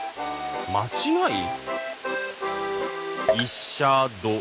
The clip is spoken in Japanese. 間違い？